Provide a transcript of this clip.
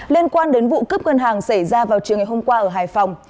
liên quan đến vụ cướp ngân hàng xảy ra vào chiều ngày hôm qua ở hải phòng